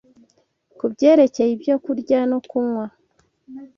ku byerekeye ibyo kurya no kunywa,